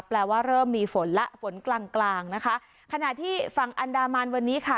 แปลว่าเริ่มมีฝนและฝนกลางกลางนะคะขณะที่ฝั่งอันดามันวันนี้ค่ะ